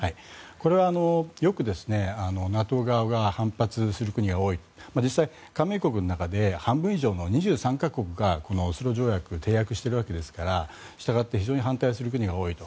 これはよくＮＡＴＯ側が反発する国は多い実際、加盟国の中で半分以上の２３か国がこのオスロ条約を締約しているわけですからしたがって非常に反対する国が多いと。